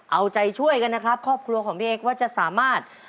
เอาใจช่วยกันนะครับครอบครัวของพี่เอ็กว่าจะสามารถ